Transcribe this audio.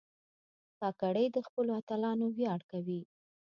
کاکړي د خپلو اتلانو ویاړ کوي.